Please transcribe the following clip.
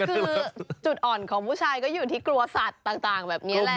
คือจุดอ่อนของผู้ชายก็อยู่ที่กลัวสัตว์ต่างแบบนี้แหละ